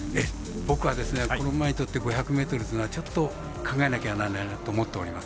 僕は、この馬にとって５００ｍっていうのはちょっと考えなきゃんないなと思っております。